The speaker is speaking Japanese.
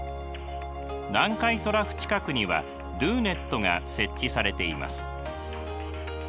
南海トラフ近くにはＤＯＮＥＴが設置されています。